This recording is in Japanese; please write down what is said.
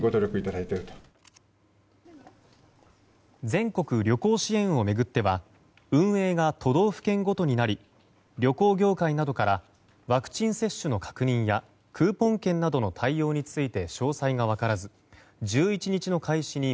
全国旅行支援を巡っては運営が都道府県ごとになり旅行業界などからワクチン接種の確認やクーポン券などの対応について詳細が分からず、１１日の開始に